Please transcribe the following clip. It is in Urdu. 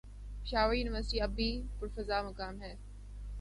پشاور یونیورسٹی اب بھی پرفضامقام ہے